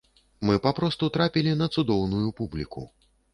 Мы папросту трапілі на цудоўную публіку.